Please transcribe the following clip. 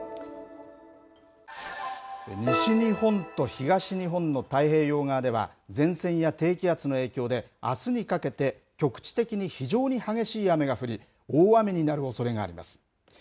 西日本と東日本の太平洋側では前線や低気圧の影響であすにかけて局地的に非常に激しい雨が降り大雨になるおそれがあります。